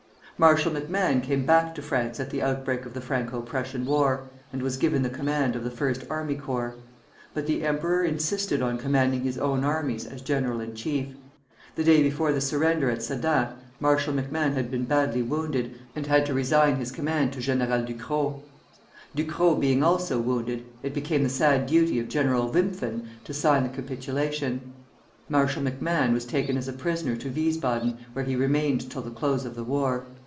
Marshal MacMahon came back to France at the outbreak of the Franco Prussian War, and was given the command of the First Army Corps; but the emperor insisted on commanding his own armies as general in chief. The day before the surrender at Sedan, Marshal MacMahon had been badly wounded, and had to resign his command to General Ducrot. Ducrot being also wounded, it became the sad duty of General Wimpffen to sign the capitulation. Marshal MacMahon was taken as a prisoner to Wiesbaden, where he remained till the close of the war.